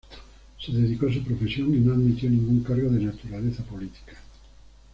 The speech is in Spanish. Se dedicó a su profesión y no admitió ningún cargo de naturaleza política.